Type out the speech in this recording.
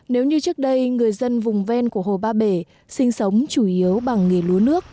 nếu như trước đây người dân vùng ven của hồ ba bể sinh sống chủ yếu bằng nghề lúa nước